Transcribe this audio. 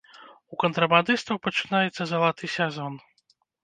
У кантрабандыстаў пачынаецца залаты сезон.